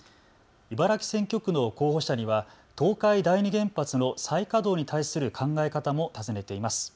茨城選挙区の候補者には東海第二原発の再稼働に対する考え方も尋ねています。